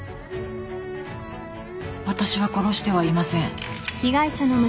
私は殺してはいません。